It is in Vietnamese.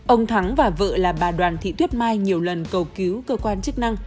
ông thắng và vợ là bà đoàn thị tuyết mai nhiều lần cầu cứu cơ quan chức năng